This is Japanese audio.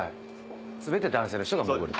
全て男性の人が潜る？